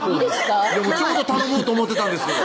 ちょうど頼もうと思ってたんです